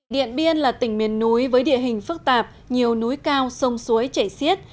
điện biên là tỉnh miền núi với địa hình phức tạp nhiều núi cao sông suối chảy xiết